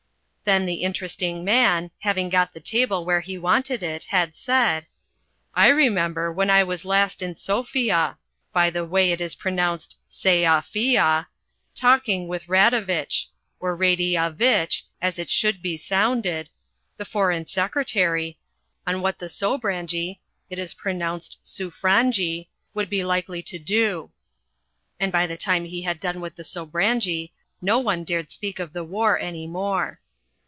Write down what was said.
Then the Interesting Man, having got the table where he wanted it, had said: "I remember when I was last in Sofia by the way it is pronounced Say ah fee ah talking with Radovitch or Radee ah vitch, as it should be sounded the foreign secretary, on what the Sobranje it is pronounced Soophrangee would be likely to do" and by the time he had done with the Sobranje no one dared speak of the war any more.